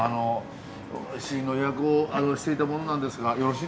試飲の予約をしていた者なんですがよろしいでしょうか？